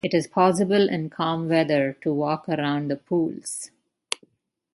It is possible in calm weather to walk around the pools.